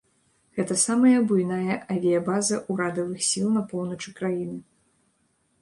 Гэта самая буйная авіябаза ўрадавых сіл на поўначы краіны.